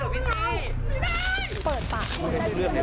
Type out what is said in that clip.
ไม่กล้าพูดจะพูดได้เหรอพี่สี